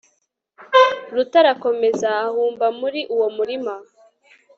ruta arakomeza ahumba muri uwo murima